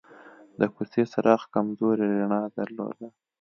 د کوڅې څراغ کمزورې رڼا درلوده.